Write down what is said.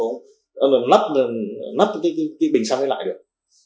nắp cái bình xăng này lại được